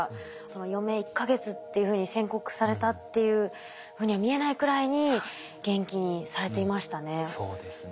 余命１か月っていうふうに宣告されたっていうふうには見えないくらいに元気にされていましたね。